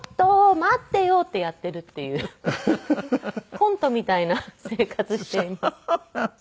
コントみたいな生活しています。